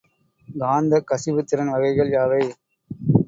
காந்தக் கசிவுத்திறன் வகைகள் யாவை?